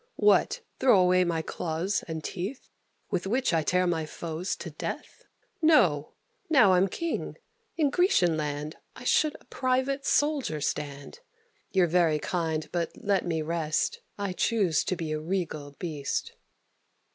What! throw away my claws and teeth, With which I tear my foes to death? No! Now I'm King. In Grecian land I should a private soldier stand. You're very kind, but let me rest; I choose to be a regal beast."